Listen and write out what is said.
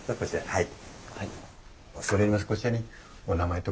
はい。